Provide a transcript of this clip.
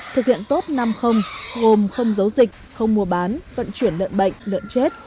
thực hiện tốt năm gồm không giấu dịch không mua bán vận chuyển lợn bệnh lợn chết